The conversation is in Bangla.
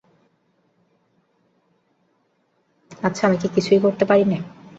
আচ্ছা, আমি কি কিছুই করতে পারি নে?